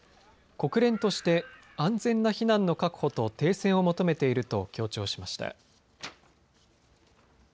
国連として安全な避難の確保と停戦を求めていると強調しました。